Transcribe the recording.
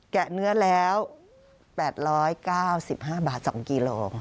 ะเนื้อแล้ว๘๙๕บาท๒กิโล